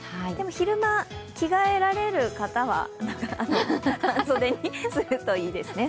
昼間、着替えられる方は半袖にするといいですね。